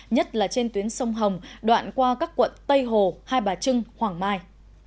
nhất là trên tuyến sông hồng đoạn qua các quận tây hồ hai bà trưng hoàng mai